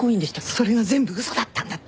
それが全部嘘だったんだって。